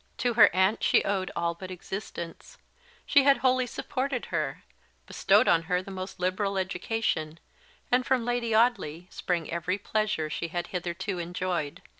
To her aunt she owed all but existence; she had wholly supported her; bestowed on her the most liberal education; and from Lady Audley sprang every pleasure she had hitherto enjoyed.